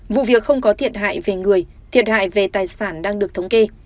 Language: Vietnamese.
vụ việc không có thiệt hại về người thiệt hại về tài sản đang được thống kê